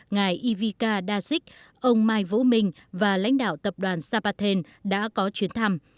ngài ivica daszik ông mai vũ minh và lãnh đạo tập đoàn zapaten đã có chuyến thăm